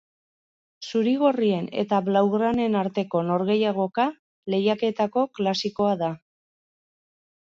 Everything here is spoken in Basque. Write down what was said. Zurigorrien eta blaugranen arteko norgehiagoka lehiaketako klasikoa da.